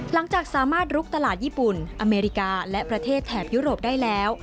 หลังจากสามารถลุกตลาดญี่ปุ่นอเมริกาและประเทศแถบยุโรปได้แล้ว